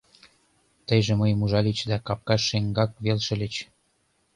Тыйже мыйым ужальыч да капка шеҥгак вел шыльыч